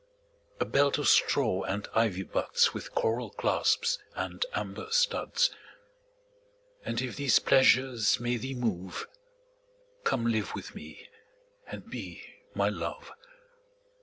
A belt of straw and ivy buds With coral clasps and amber studs: And if these pleasures may thee move, Come live with me and be my Love.